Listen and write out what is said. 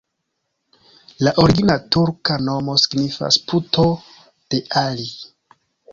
La origina turka nomo signifas: puto de Ali.